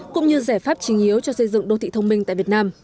cũng như giải pháp trình yếu cho xây dựng đô thị thông minh tại việt nam